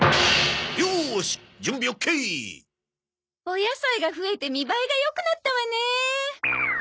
お野菜が増えて見栄えが良くなったわね。